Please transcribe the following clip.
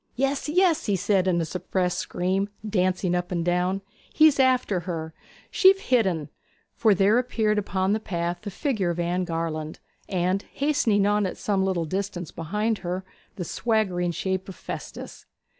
'Yes, yes!' he said in a suppressed scream, dancing up and down, 'he's after her: she've hit en!' For there appeared upon the path the figure of Anne Garland, and, hastening on at some little distance behind her, the swaggering shape of Festus.